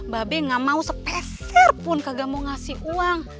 babe gak mau sepeserpun kagak mau ngasih uang